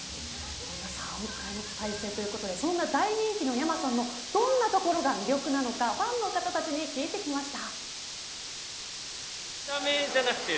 ３億回再生ということでそんな大人気のｙａｍａさんのどんなところが魅力なのかファンの方たちに聞いてきました。